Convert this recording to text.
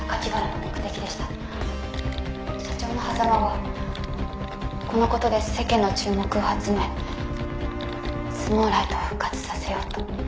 「社長の狭間はこの事で世間の注目を集めＳＮＯＷＬＩＧＨＴを復活させようと」